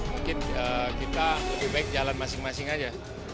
mungkin kita lebih baik jalan masing masing aja